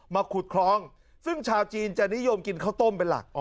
ขุดคลองซึ่งชาวจีนจะนิยมกินข้าวต้มเป็นหลัก